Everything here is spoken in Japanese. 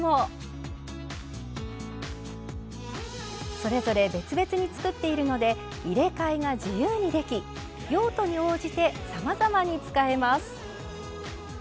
それぞれ別々に作っているので入れ替えが自由にでき用途に応じてさまざまに使えます。